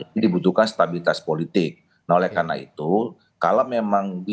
nah jadi dibutuhkan stabilitas politik nah oleh karena itu kalau memang bisa dirawat ya kerjasama politik yang selama ini